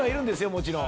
もちろん。